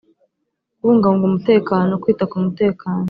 kubungabunga umutekano: kwita ku mutekano,